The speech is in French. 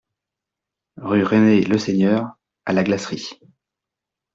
Rue René Leseigneur à La Glacerie